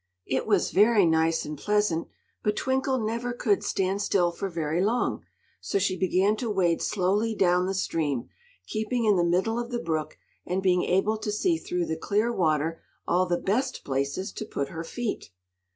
It was very nice and pleasant; but Twinkle never could stand still for very long, so she began to wade slowly down the stream, keeping in the middle of the brook, and being able to see through the clear water all the best places to put her feet.